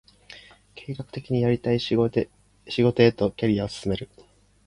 計画的にやりたい仕事へとキャリアを進める